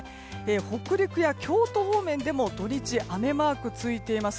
北陸や京都方面でも土日、雨マークついています。